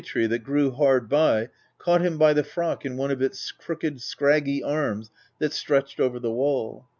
35 tree, that grew hard by, caught him by the frock in one of its crooked scraggy arms that stretched over the wall.